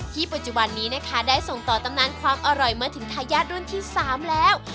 ปัจจุบันนี้นะคะได้ส่งต่อตำนานความอร่อยมาถึงทายาทรุ่นที่๓แล้ว